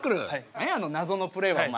何やあのなぞのプレーはお前。